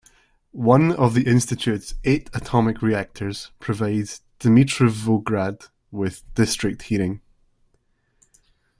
One of the institute's eight atomic reactors provides Dimitrovgrad with district heating.